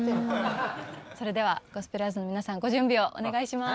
それではゴスペラーズの皆さんご準備をお願いします。